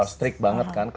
strik banget kan